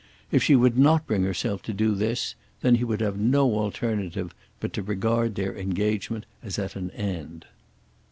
If she would not bring herself to do this, then he would have no alternative but to regard their engagement as at an end.